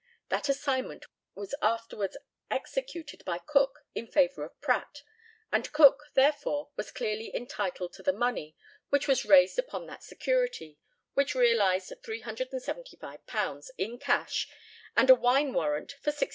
That assignment was afterwards executed by Cook in favour of Pratt, and Cook, therefore, was clearly entitled to the money which was raised upon that security, which realised £375 in cash, and a wine warrant for £65.